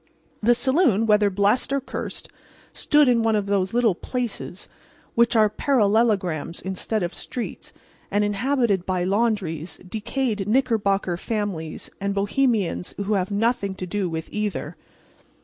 The saloon (whether blessed or cursed) stood in one of those little "places" which are parallelograms instead of streets, and inhabited by laundries, decayed Knickerbocker families and Bohemians who have nothing to do with either.